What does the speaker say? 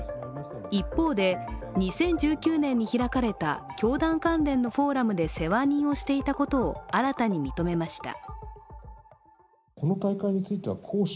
一方で、２０１９年に開かれた教団関連のフォーラムで世話人をしていたことを新たに認めました。